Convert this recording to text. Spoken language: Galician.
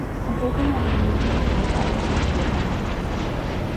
Tampouco unha revolución proletaria sen proletarios.